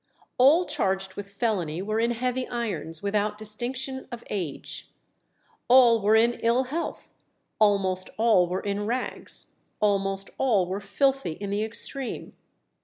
All charged with felony were in heavy irons, without distinction of age. All were in ill health; almost all were in rags; almost all were filthy in the extreme.